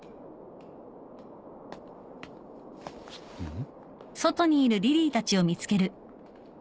ん？